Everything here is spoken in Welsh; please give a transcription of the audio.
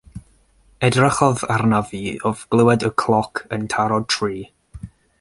Edrychodd arnaf fi wrth glywed y cloc yn taro tri.